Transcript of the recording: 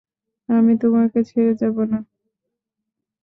আমি তোমাকে ছেড়ে যাবো না।